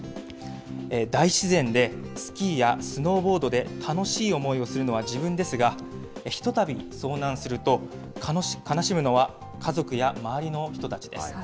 大自然でスキーやスノーボードで楽しい思いをするのは自分ですが、ひとたび遭難すると、悲しむのは家族や周りの人たちです。